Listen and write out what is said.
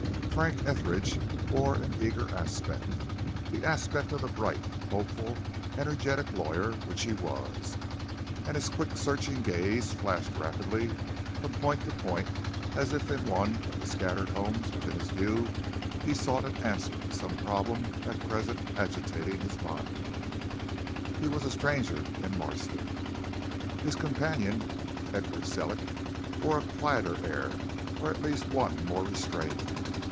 Frank Etheridge wore an eager aspect, the aspect of the bright, hopeful, energetic lawyer which he was, and his quick searching gaze flashed rapidly from point to point as if in one of the scattered homes within his view he sought an answer to some problem at present agitating his mind. He was a stranger in Marston. His companion, Edgar Sellick, wore a quieter air, or at least one more restrained.